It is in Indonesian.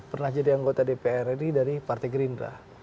pernah jadi anggota dpr ri dari partai gerindra